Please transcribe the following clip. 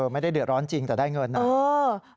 ไม่ได้เดือดร้อนจริงแต่ได้เงินนะ